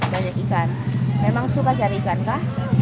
banyak ikan memang suka cari ikan kah